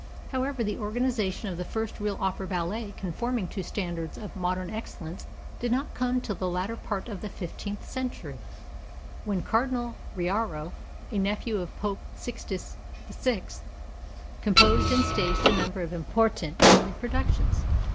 However, the organization of the first real opera ballet conforming to standards of modern excellence did not come till the latter part of the fifteenth century, when21 Cardinal Riario, a nephew of Pope Sixtus IV, composed and staged a number of important ballet productions.